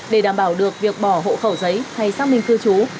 để đảm bảo được việc bỏ hộ khẩu giấy hay xác minh cư trú